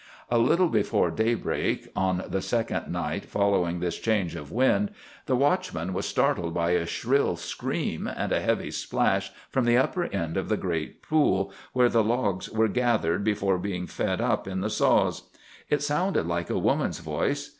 A little before daybreak on the second night following this change of wind, the watchman was startled by a shrill scream and a heavy splash from the upper end of the great pool where the logs were gathered before being fed up in the saws. It sounded like a woman's voice.